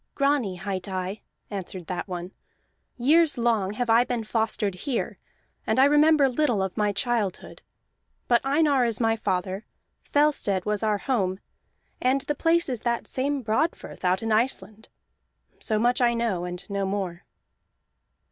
"Grani hight I," answered that one. "Years long have I been fostered here, and I remember little of my childhood. But Einar is my father, Fellstead was our home, and the place is that same Broadfirth out in Iceland. So much I know and no more."